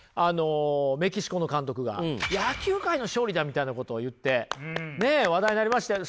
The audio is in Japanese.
メキシコの監督が野球界の勝利だみたいなことを言って話題になりましたよね。